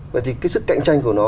vậy thì cái sức cạnh tranh của nó